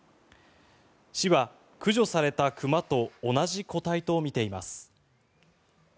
市は駆除された熊と同じ個体とみています。